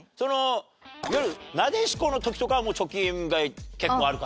いわゆるなでしこの時とかはもう貯金が結構ある感じ？